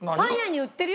売ってるよ。